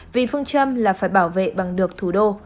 vì phương châm là phải bảo vệ bằng được thủ đô